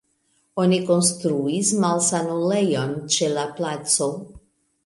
Oni konstruis malsanulejon ĉe la placo.